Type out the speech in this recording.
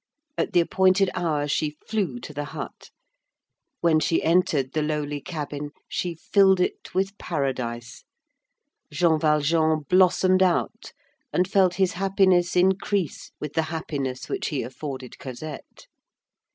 At the appointed hour she flew to the hut. When she entered the lowly cabin, she filled it with paradise. Jean Valjean blossomed out and felt his happiness increase with the happiness which he afforded Cosette.